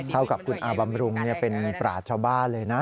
เท่ากับคุณอาบำรุงเป็นปราชชาวบ้านเลยนะ